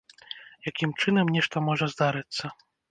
Якім чынам нешта можа здарыцца?